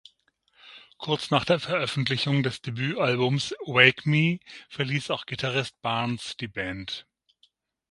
Kurz nach der Veröffentlichung des Debütalbums "Wake Me" verließ auch Gitarrist Barnes die Band.